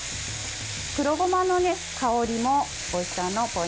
黒ごまの香りもおいしさのポイントです。